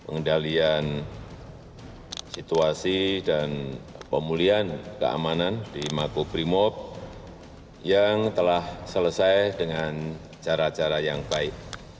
pengendalian situasi dan pemulihan keamanan di makobrimob yang telah selesai dengan cara cara yang baik